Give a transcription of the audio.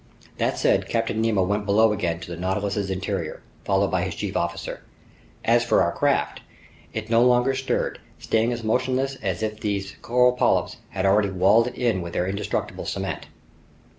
This said, Captain Nemo went below again to the Nautilus's interior, followed by his chief officer. As for our craft, it no longer stirred, staying as motionless as if these coral polyps had already walled it in with their indestructible cement.